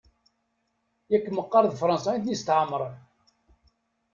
Yak meqqar d Fransa i ten-isetɛemren?